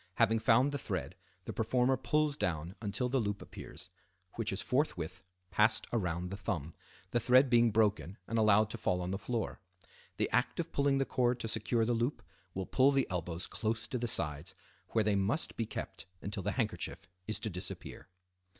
Having found the thread, the performer pulls down until the loop appears, which is forthwith passed around the thumb, the thread being broken and allowed to fall on the floor. The act of pulling the cord to secure the loop will pull the elbows close to the sides, where they must be kept until the handkerchief is to disappear.